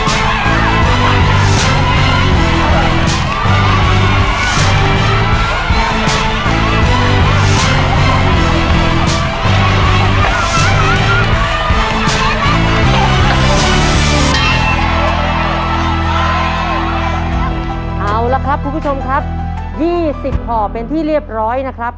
ตอนนี้นะครับสี่ข้อนะฮะนี่ก็เป็นหนึ่งในสี่นะครับ